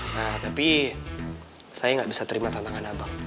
nah tapi saya nggak bisa terima tantangan abang